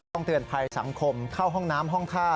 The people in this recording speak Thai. ต้องเตือนภัยสังคมเข้าห้องน้ำห้องท่า